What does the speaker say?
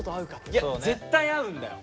いや絶対合うんだよ。